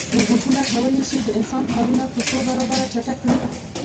روبوټونه کولی شي د انسان کارونه په څو برابره چټک کړي.